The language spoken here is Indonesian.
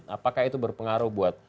apakah itu berpengaruh buat